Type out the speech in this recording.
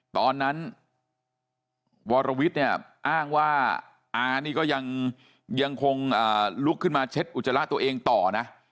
ตอนนั้นวรวิทย์เนี่ยอ้างว่าอานี่ก็ยังคงลุกขึ้นมาเช็ดอุจจาระตัวเองต่อนะ